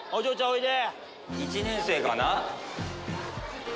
おいで。